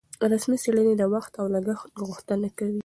رسمي څېړنې د وخت او لګښت غوښتنه کوي.